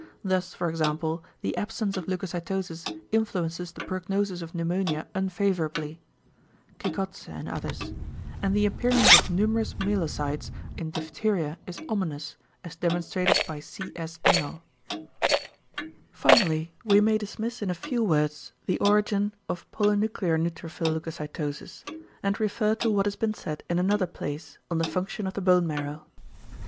Thus for example the absence of leucocytosis influences the prognosis of pneumonia unfavourably (Kikodse and others); and the appearance of numerous myelocytes in diphtheria is ominous, as demonstrated by C. S. Engel (see page 78). Finally, we may dismiss in a few words the origin of ~polynuclear neutrophil leucocytosis~, and refer to what has been said in another place on the function of the bone marrow.